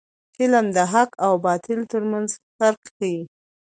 فلم د حق او باطل ترمنځ فرق ښيي